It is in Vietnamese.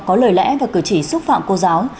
có lời lẽ và cử chỉ xúc phạm cô giáo